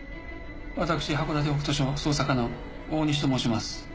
私函館北斗署捜査課の大西と申します。